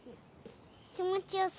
気持ちよさ